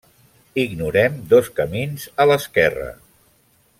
Ignorem dos camins a l'esquerra.